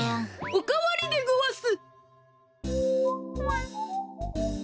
おかわりでごわす！